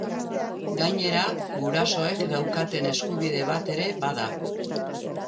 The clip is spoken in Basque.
Gainera, gurasoek daukaten eskubide bat ere bada.